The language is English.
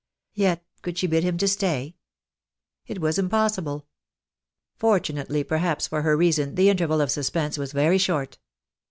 Yet, could she bid him stay? It was impossible. Fortunately perhaps for her reason the inter val of suspense was very short.